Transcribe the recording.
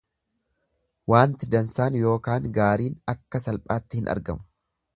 Waanti dansaan ykn gaariin akka salphaatti hin argamu.